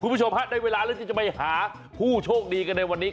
คุณผู้ชมฮะได้เวลาแล้วที่จะไปหาผู้โชคดีกันในวันนี้